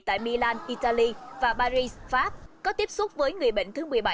tại milan italy và paris pháp có tiếp xúc với người bệnh thứ một mươi bảy